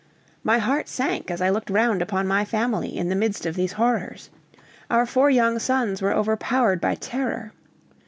My heart sank as I looked round upon my family in the midst of these horrors. Our four young sons were overpowered by terror.